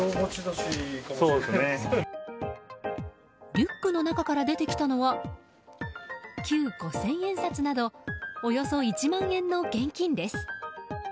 リュックの中から出てきたのは旧五千円札などおよそ１万円の現金です。